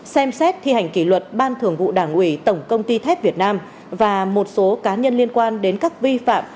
ba xem xét thi hành kỷ luật ban thường vụ đảng ủy tổng công ty thép việt nam và một số cá nhân liên quan đến các vi phạm